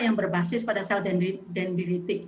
yang berbasis pada sel dendbility